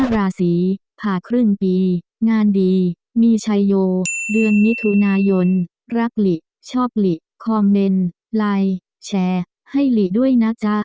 ราศีผ่าครึ่งปีงานดีมีชัยโยเดือนมิถุนายนรักหลิชอบหลีคอมเมนต์ไลน์แชร์ให้หลีด้วยนะจ๊ะ